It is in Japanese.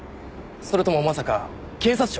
それともまさか警察庁？